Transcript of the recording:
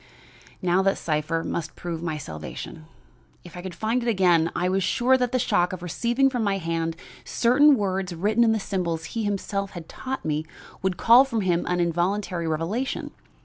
Now, that cipher must prove my salvation. If I could find it again I was sure that the shock of receiving from my hand certain words written in the symbols he had himself taught me would call from him an involuntary revelation.